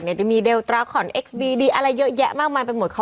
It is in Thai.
คือมีเดลต้าคอนเอ็กทรเบีดีอะไรเยอะแยะมากมาก